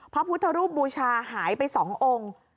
พระพุทธรูปบูชาหายไป๒องค์